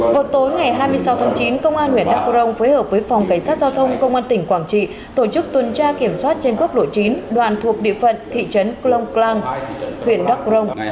vào tối ngày hai mươi sáu tháng chín công an huyện đắk cổ rồng phối hợp với phòng cảnh sát giao thông công an tỉnh quảng trị tổ chức tuần tra kiểm soát trên quốc độ chín đoàn thuộc địa phận thị trấn klong klang huyện đắk cổ rồng